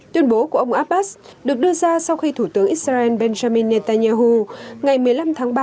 tuyên bố của ông abbas được đưa ra sau khi thủ tướng israel benjamin netanyahu ngày một mươi năm tháng ba